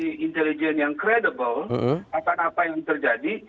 mereka mempunyai informasi yang kredibel tentang apa yang terjadi